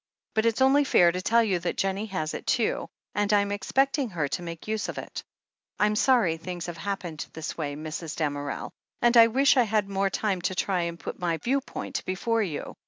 But it's only fair to tell you that Jennie has it too, and I'm expecting her to make use of it. I'm sorry things have happened this way, Mrs. Damerel, and I wish I "had more time to try and put my view point before you.